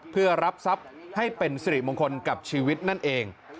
เพื่อรับทรัพย์ให้เป็นสิริมงคลกับชีวิตนั่นเอง